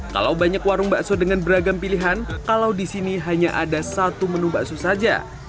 kalau banyak warung bakso dengan beragam pilihan kalau di sini hanya ada satu menu bakso saja